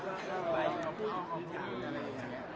ก็เข้าไปแล้วพูดอีกอย่างอะไรอย่างนี้